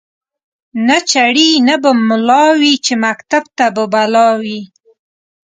نه چړي نه به مُلا وی چي مکتب ته به بلا وي